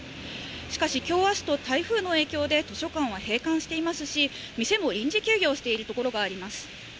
しかしきょう、あすと、台風の影響で図書館は閉館していますし、店を臨時休業をしている所があります。